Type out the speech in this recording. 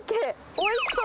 おいしそう。